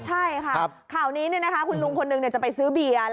ใช่ค่ะข่าวนี้คุณลุงคนนึงจะไปซื้อเบียร์